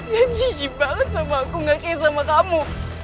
dia jijik banget sama aku gak kayak sama kamu